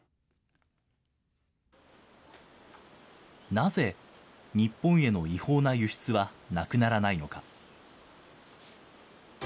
なぜ、日本への違法な輸出はなくならないのか。